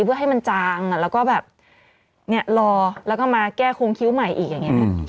เพื่อให้มันจางแล้วก็แบบเนี่ยรอแล้วก็มาแก้โครงคิ้วใหม่อีกอย่างนี้